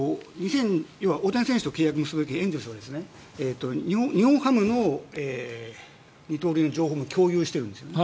大谷選手と契約を結ぶ時エンゼルスは日本ハムの二刀流の情報も共有しているんですね。